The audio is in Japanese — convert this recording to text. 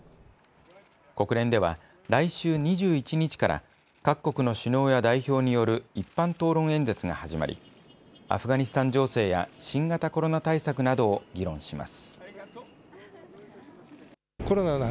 国連では来週２１日から各国首脳や代表による一般討論演説が始まりアフガニスタン情勢や新型コロナ対策などを議論します。